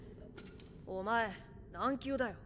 お前何級だよ？